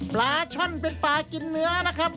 ปลาช่อนเป็นปลากินเนื้อนะครับ